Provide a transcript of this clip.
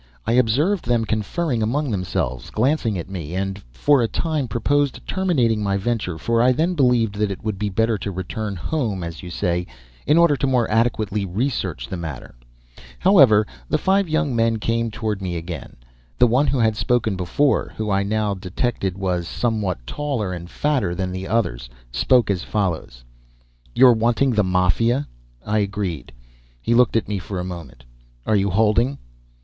I observed them conferring among themselves, glancing at me, and for a time proposed terminating my venture, for I then believed that it would be better to return "home," as you say, in order to more adequately research the matter. However, the five young men came toward me again. The one who had spoken before, who I now detected was somewhat taller and fatter than the others, spoke as follows: "You're wanting the Mafia?" I agreed. He looked at me for a moment. "Are you holding?"